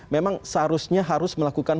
memang seharusnya harus melakukan